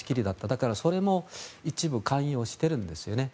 だから、それも一部関与しているんですよね。